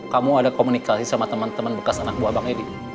kamu ada komunikasi sama teman teman bekas anak buah bang edi